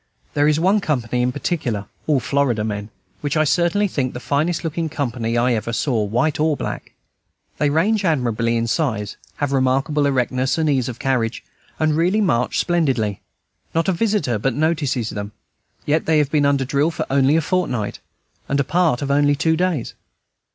There is one company in particular, all Florida men, which I certainly think the finest looking company I ever saw, white or black; they range admirably in size, have remarkable erectness and ease of carriage, and really march splendidly. Not a visitor but notices them; yet they have been under drill only a fortnight, and a part only two days.